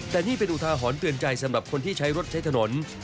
แต่นี่เป็นอุทาหรณ์เตือนใจสำหรับคนที่ใช้รถใช้ถนน